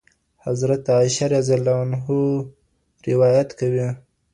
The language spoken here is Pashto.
حضرت عائشة رضي الله عنها روايت کوي.